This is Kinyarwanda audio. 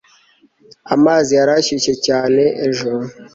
amazi yari ashyushye cyane ejo